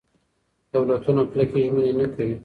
دولتونه کلکې ژمنې نه کوي.